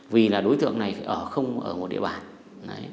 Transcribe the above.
vì đối tượng này không ở một địa bàn